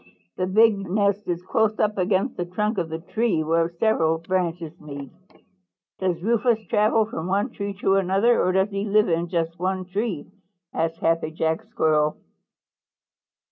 The big nest is close up against the trunk of the tree where several branches meet." "Does Rufous travel from one tree to another, or does he live in just one tree?" asked Happy Jack Squirrel.